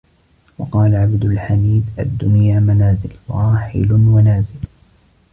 وَقَالَ عَبْدُ الْحَمِيدِ الدُّنْيَا مَنَازِلُ ، فَرَاحِلٌ وَنَازِلٌ